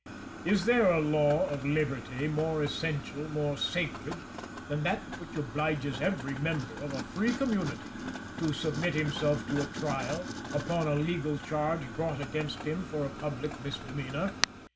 Is there a law of liberty more essential, more sacred, than that which obliges every member of a free community to submit himself to a trial, upon a legal charge brought against him for a public misdemeanour?